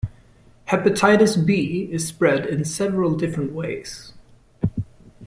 Hepatitis B is spread in several different ways.